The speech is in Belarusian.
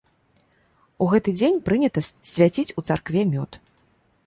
У гэты дзень прынята свяціць у царкве мёд.